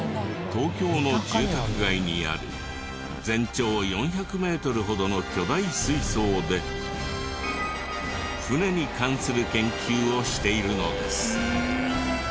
東京の住宅街にある全長４００メートルほどの巨大水槽で船に関する研究をしているのです。